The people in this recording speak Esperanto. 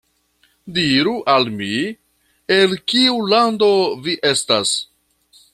Diru al mi, el kiu lando vi estas.